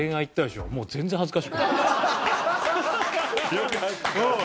よかった。